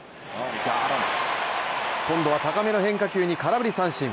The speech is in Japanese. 今度は高めの変化球に空振り三振。